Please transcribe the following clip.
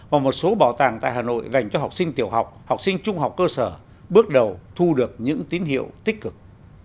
và một số bảo tàng tại hà nội dành cho học sinh tiểu học học sinh trung học cơ sở bước đầu thu được những tín hiệu tích cực